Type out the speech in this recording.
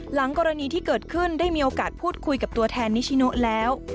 หลังกรณีที่เกิดขึ้นได้มีโอกาสพูดคุยกับตัวแทนนิชิโนแล้ว